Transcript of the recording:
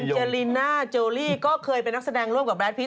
เจลิน่าโจลี่ก็เคยเป็นนักแสดงร่วมกับแรดพิษ